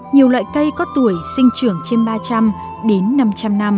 nhiều loại cây có tuổi sinh trưởng trên ba trăm linh đến năm trăm linh năm